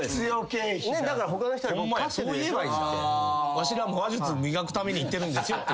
ワシらも話術磨くために行ってるんですよって。